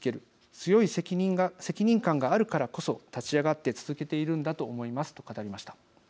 強い責任感があるからこそ立ち上がって続けているんだと思います」と語りました。